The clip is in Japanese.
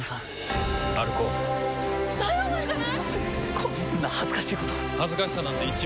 こんな恥ずかしいこと恥ずかしさなんて１ミリもない。